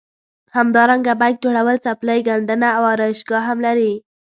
همدارنګه بیک جوړول څپلۍ ګنډنه او ارایشګاه هم لري.